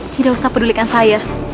tidak usah pedulikan saya